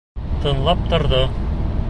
Тыңлап торҙо.